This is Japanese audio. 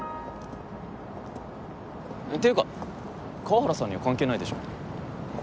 っていうか河原さんには関係ないでしょ。